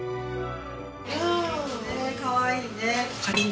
かわいいね。